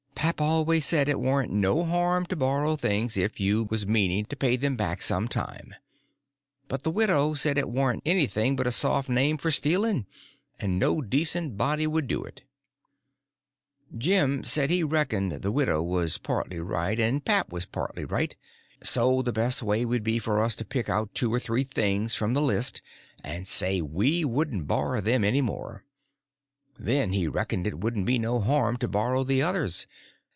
Pap always said it warn't no harm to borrow things if you was meaning to pay them back some time; but the widow said it warn't anything but a soft name for stealing, and no decent body would do it. Jim said he reckoned the widow was partly right and pap was partly right; so the best way would be for us to pick out two or three things from the list and say we wouldn't borrow them any more—then he reckoned it wouldn't be no harm to borrow the others.